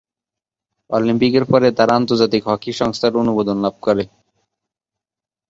অলিম্পিকের পরে তাঁরা আন্তর্জাতিক হকি সংস্থার অনুমোদন লাভ করে।